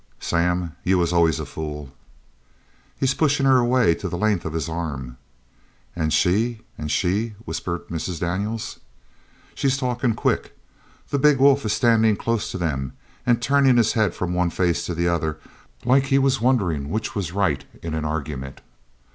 "Sam, you was always a fool!" "He's pushin' her away to the length of his arm." "An' she? An' she?" whispered Mrs. Daniels. "She's talkin' quick. The big wolf is standin' close to them an' turnin' his head from one face to the other like he was wonderin' which was right in the argyment."